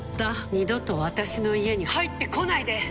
二度と私の家に入ってこないで！